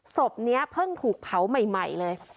ศพนี้เพิ่งถูกเผาใหม่เลย